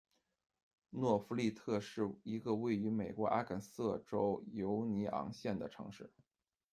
诺夫利特是一个位于美国阿肯色州犹尼昂县的城市。